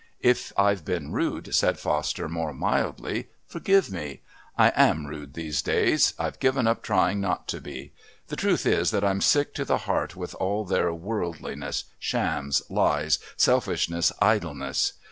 "If I've been rude," said Foster more mildly, "forgive me. I am rude these days. I've given up trying not to be. The truth is that I'm sick to the heart with all their worldliness, shams, lies, selfishness, idleness.